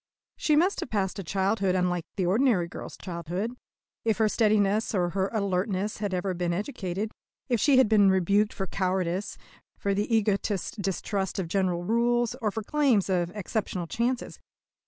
She must have passed a childhood unlike the ordinary girl's childhood, if her steadiness or her alertness had ever been educated, if she had been rebuked for cowardice, for the egoistic distrust of general rules, or for claims of exceptional chances.